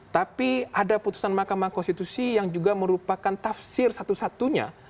tapi ada putusan mahkamah konstitusi yang juga merupakan tafsir satu satunya